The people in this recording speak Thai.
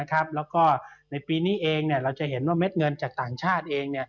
แล้วก็ในปีนี้เองเราจะเห็นว่าเม็ดเงินจากต่างชาติเอง